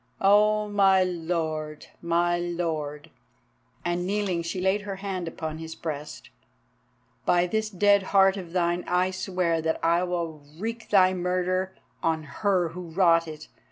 Oh, my Lord, my Lord!" and kneeling, she laid her hand upon his breast; "by this dead heart of thine I swear that I will wreak thy murder on her who wrought it.